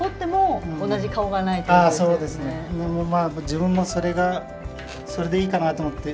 自分もそれがそれでいいかなと思って。